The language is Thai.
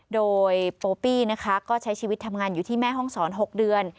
โดยโปปี้นะคะก็ใช้ชีวิตทำงานอยู่ที่แม่ห้องศร๖เดือน